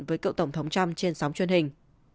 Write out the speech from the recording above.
với cựu tổng thống trump trên sóng truyền hình